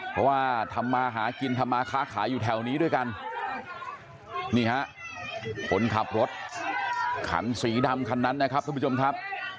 เพราะว่าทำมาหากินทำมาค้าขายอยู่แถวนี้ด้วยกันนี่ฮะคนขับรถคันสีดำคันนั้นนะครับทุกผู้ชมครับ